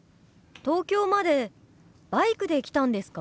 東京までバイクで来たんですか？